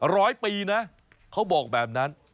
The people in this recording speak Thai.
ร้อยปีนะเขาบอกแบบนั้น